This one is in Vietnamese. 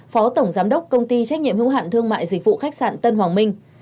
phó tổng giám đốc công ty trách nhiệm hữu hạn thương mại dịch vụ khách sạn tân hoàng minh